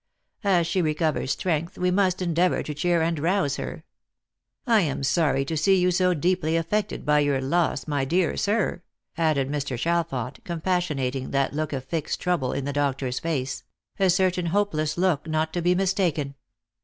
As she recovers strength we must endeavour to cheer and rouse her. I am sorry to see you so deeply affected by your loss, my dear sir," added Mr. Chalfont, compassionating that look of fixed trouble in the doctor's face — a certain hopeless look not to be mistaken.